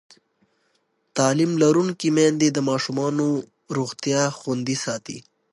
تعلیم لرونکې میندې د ماشومانو روغتیا خوندي ساتي.